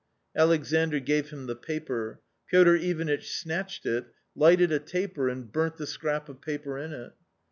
Alexandr gave him the paper. Piotr Ivanitch snatched it, lighted a taper and burnt the scrap of paper in it.